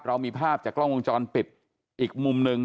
เรามีภาพจากกล้องวงจรปิดอีกมุมหนึ่ง